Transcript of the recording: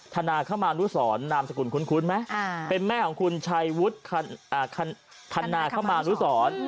ธนาคมานุสรนามสกุลคุ้นไหมเป็นแม่ของคุณชัยวุฒิธนาคมานุสร